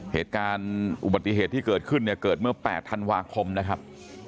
เหตุการณ์อุบัติเหตุที่เกิดขึ้นเนี่ยเกิดเมื่อ๘ธันวาคมนะครับ